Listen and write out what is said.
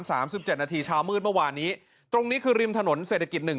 สามสิบเจ็ดนาทีเช้ามืดเมื่อวานนี้ตรงนี้คือริมถนนเศรษฐกิจหนึ่ง